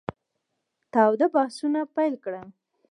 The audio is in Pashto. تاوده بحثونه پیل کړل.